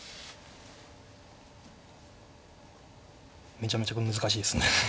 めちゃめちゃ難しいですね。